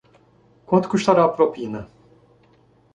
Quanto custará a propina?